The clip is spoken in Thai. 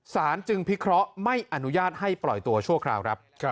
สารจึงพิเคราะห์ไม่อนุญาตให้ปล่อยตัวชั่วคราวครับ